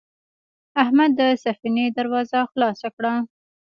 احمد د سفینې دروازه خلاصه کړه.